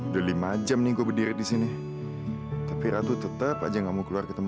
tolong kasih aku kesempatan untuk jelasin semua ke kamu